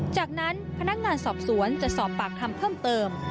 จากนั้นพนักงานสอบสวนจะสอบปากคำเพิ่มเติม